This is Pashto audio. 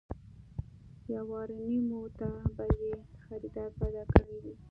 يوارنيمو ته به يې خريدار پيدا کړی وي.